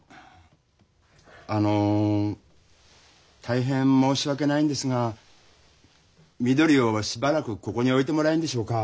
あの大変申し訳ないんですがみどりをしばらくここに置いてもらえんでしょうか？